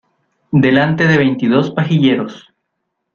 delante de veintidós pajilleros.